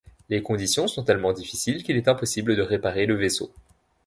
Les conditions sont tellement difficiles qu'il est impossible de réparer le vaisseau.